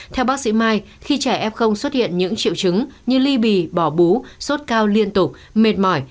theo bác sĩ mai khi trẻ f xuất hiện những triệu chứng như ly bì bỏ bú sốt cao liên tục mệt mỏi